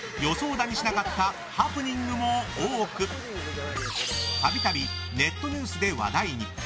だにしなかったハプニングも多く度々、ネットニュースで話題に。